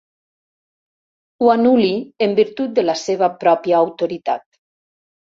Ho anul·li en virtut de la seva pròpia autoritat.